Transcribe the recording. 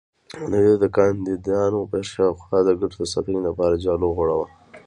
دوی د کاندیدانو پر شاوخوا د ګټو د ساتنې لپاره جال وغوړاوه.